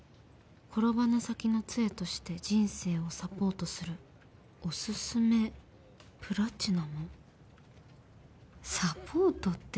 「転ばぬ先のつえとして人生をサポートするおすすめプラチナム」サポートって